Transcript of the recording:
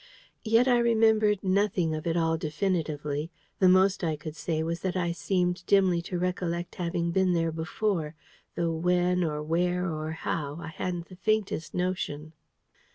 Yet I remembered nothing of it all definitely; the most I could say was that I seemed dimly to recollect having been there before though when or where or how, I hadn't the faintest notion.